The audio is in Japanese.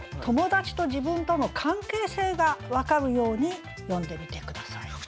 友達と自分との関係性が分かるように詠んでみて下さい。